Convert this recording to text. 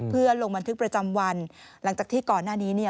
เพื่อลงบันทึกประจำวันหลังจากที่ก่อนหน้านี้เนี่ย